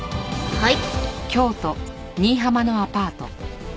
はい。